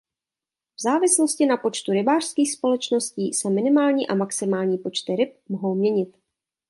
V závislosti na počtu rybářských společností se minimální a maximální počty ryb mohou měnit.